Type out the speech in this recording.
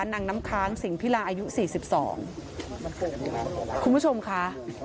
นางน้ำค้างสิงพิลาอายุสี่สิบสองคุณผู้ชมค่ะ